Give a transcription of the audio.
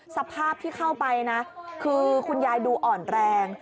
สภาพที่เข้าไปนะคือคุณยายดูอ่อนแรง